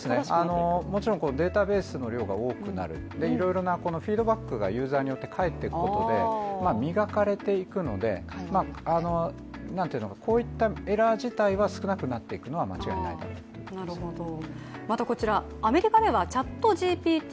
もちろんデータベースの量が多くなるいろいろなフィードバックがユーザーによって返っていくことで、磨かれていくので、こういったエラー自体は少なくなっていくのは間違いないですね。